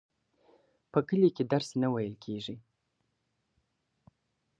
په کلي کي درس نه وویل کیږي.